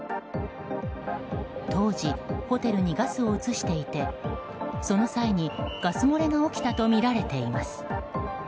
当時、ホテルにガスを移していてその際に、ガス漏れが起きたとみられています。